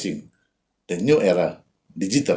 era baru era digital